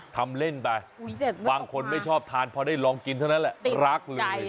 ทำเล่นไปบางคนไม่ชอบทานพอได้ลองกินเท่านั้นแหละรักเลย